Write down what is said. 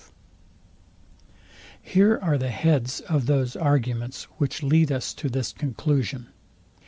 Here are the heads of those arguments, which lead us to this conclusion.